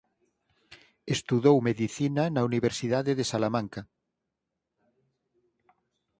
Estudou medicina na Universidade de Salamanca.